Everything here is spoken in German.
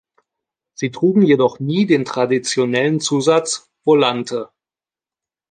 Sie trugen jedoch nie den traditionellen Zusatz "Volante".